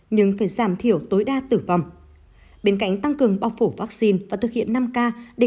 nhưng phải giảm thiểu tối đa tử vong bên cạnh tăng cường bao phủ vaccine và thực hiện năm k để